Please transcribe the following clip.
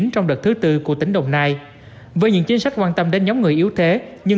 trong đợt thứ tư của tỉnh đồng nai với những chính sách quan tâm đến nhóm người yếu thế nhưng